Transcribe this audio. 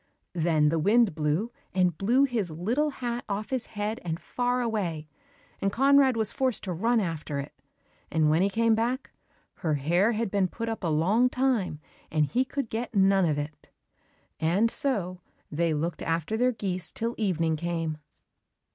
Then the wind blew, and blew his little hat off his head and far away, and Conrad was forced to run after it, and when he came back, her hair had been put up a long time, and he could get none of it, and so they looked after their geese till evening came.